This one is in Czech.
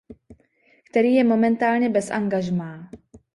Který je momentálně bez angažmá.